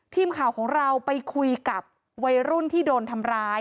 ทีมข่าวของเราไปคุยกับวัยรุ่นที่โดนทำร้าย